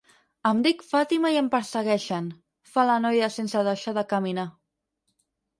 Em dic Fàtima i em persegueixen —fa la noia sense deixar de caminar—.